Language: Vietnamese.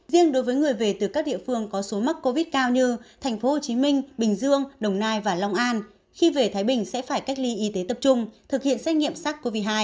riêng đối với người về từ các địa phương có số mắc covid cao như tp hcm bình dương đồng nai và long an khi về thái bình sẽ phải cách ly y tế tập trung thực hiện xét nghiệm sars cov hai